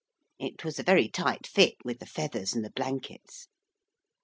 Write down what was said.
It was a very tight fit, with the feathers and the blankets.